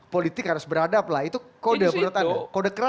politik harus beradab lah itu kode